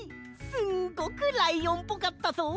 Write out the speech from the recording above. すごくライオンっぽかったぞ！